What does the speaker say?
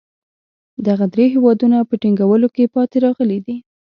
دغه درې هېوادونه په ټینګولو کې پاتې راغلي دي.